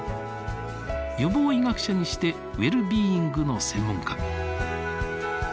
予防医学者にしてウェルビーイングの専門家。